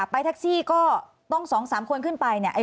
ไปแท็กซี่ก็ต้อง๒๓คนขึ้นไปเนี่ย